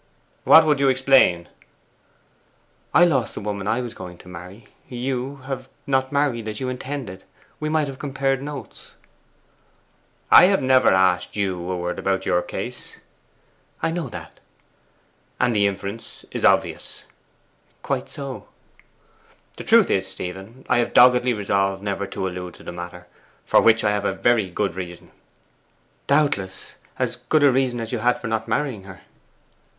'What would you explain?' 'I lost the woman I was going to marry: you have not married as you intended. We might have compared notes.' 'I have never asked you a word about your case.' 'I know that.' 'And the inference is obvious.' 'Quite so.' 'The truth is, Stephen, I have doggedly resolved never to allude to the matter for which I have a very good reason.' 'Doubtless. As good a reason as you had for not marrying her.